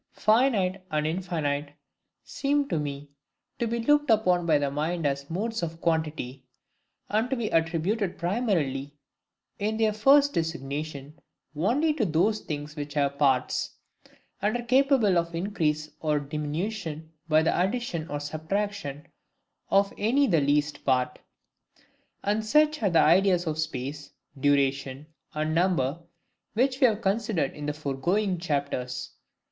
FINITE and INFINITE seem to me to be looked upon by the mind as the MODES OF QUANTITY, and to be attributed primarily in their first designation only to those things which have parts, and are capable of increase or diminution by the addition or subtraction of any the least part: and such are the ideas of space, duration, and number, which we have considered in the foregoing chapters.